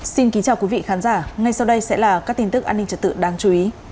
xin kính chào quý vị khán giả ngay sau đây sẽ là các tin tức an ninh trật tự đáng chú ý